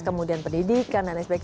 kemudian pendidikan dan lain sebagainya